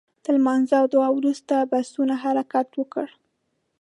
تر لمانځه او دعا وروسته بسونو حرکت وکړ.